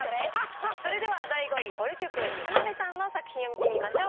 それでは第５位ぼる塾田辺さんの作品を見てみましょう。